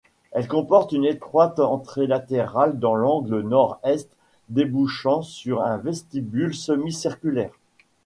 Elle comporte une étroite entrée latérale dans l'angle nord-est débouchant sur un vestibule semi-circulaire.